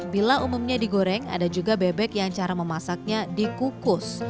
bila umumnya digoreng ada juga bebek yang cara memasaknya dikukus